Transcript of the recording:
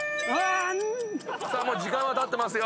もう時間はたってますよ。